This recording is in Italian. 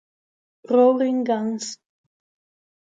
Roaring Guns